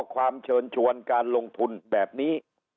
ความเชิญชวนการลงทุนแบบนี้